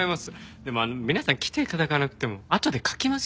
でも皆さん来て頂かなくてもあとで書きますよ。